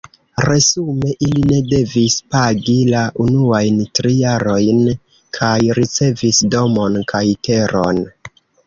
Resume ili ne devis pagi la unuajn tri jarojn kaj ricevis domon kaj teron.